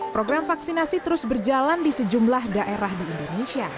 program vaksinasi terus berjalan di sejumlah daerah di indonesia